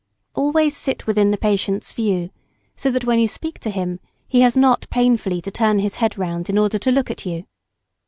] Always sit within the patient's view, so that when you speak to him he has not painfully to turn his head round in order to look at you.